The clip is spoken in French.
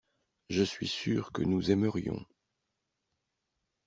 Je suis sûr que nous aimerions.